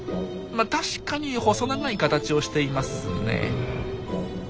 ま確かに細長い形をしていますね。